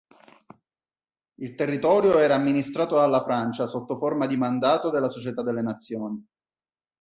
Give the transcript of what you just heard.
Il territorio era amministrato dalla Francia sotto forma di mandato della Società delle Nazioni.